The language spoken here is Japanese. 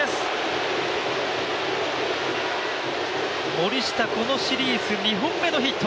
森下、このシリーズ２本目のヒット。